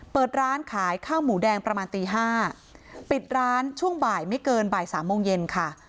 เปิดร้านขายข้าวหมูแดงประมาณตีห้าปิดร้านช่วงบ่ายไม่เกินบ่ายสามโมงเย็นค่ะ